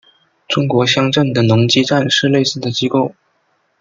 中国乡镇的农机站是类似的机构。